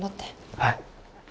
はい。